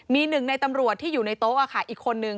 มีหนึ่งในตำรวจที่อยู่ในโต๊ะอีกคนนึง